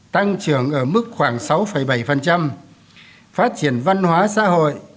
tăng trưởng ở mức khoảng sáu bảy phát triển văn hóa xã hội